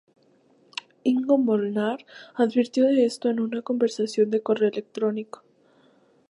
Ingo Molnar advirtió de esto en una conversación de corre electrónico.